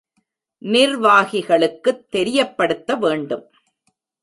நிர்வாகிகளுக்குத் தெரியப்படுத்த வேண்டும்.